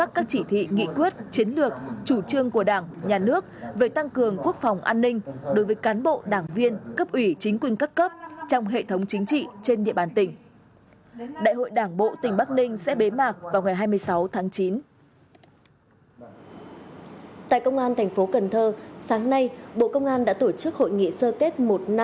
tại công an thành phố cần thơ sáng nay bộ công an đã tổ chức hội nghị sơ kết một năm